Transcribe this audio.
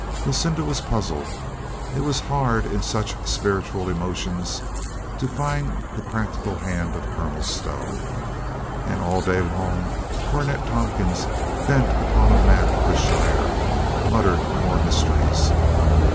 Lucinda was puzzled. It was hard in such spiritual emotions to find the practical hand of Colonel Stow. And all the day long Cornet Tompkins, bent upon a map of the shire, muttered more mysteries.